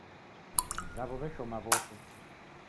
Mzawo w'eshoma w'ose.